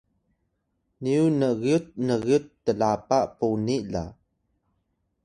nyu n-gyut n-gyut tlapa puni la